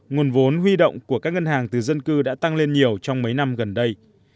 nguồn vốn huy động của các ngân hàng từ dân cư đã tăng lên nhiều trong mấy năm gần đây